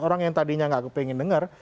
orang yang tadinya gak pengen dengar